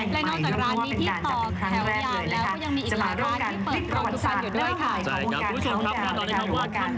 และนอกจากร้านมีที่ต่อแถวยานแล้วยังมีอีกหลายร้านที่เปิดประวัติศาสตร์อยู่ด้วยค่ะ